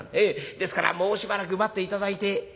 ですからもうしばらく待って頂いて」。